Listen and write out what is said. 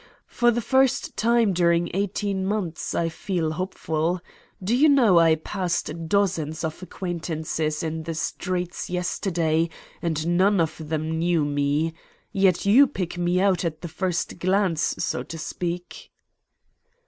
For the first time during eighteen months I feel hopeful. Do you know, I passed dozens of acquaintances in the streets yesterday and none of them knew me. Yet you pick me out at the first glance, so to speak."